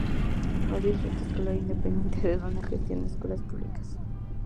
El Distrito Escolar Independiente de Donna gestiona escuelas públicas.